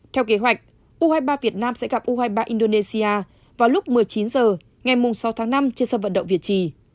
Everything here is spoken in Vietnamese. theo kế hoạch u hai mươi ba việt nam sẽ gặp u hai mươi ba indonesia vào lúc một mươi chín h ngày sáu tháng năm trên sân vận động việt trì